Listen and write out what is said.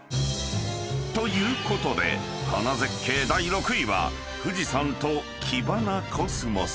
［ということで花絶景第６位は富士山と黄花コスモス］